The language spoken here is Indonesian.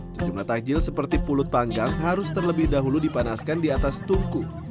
sejumlah takjil seperti pulut panggang harus terlebih dahulu dipanaskan di atas tungku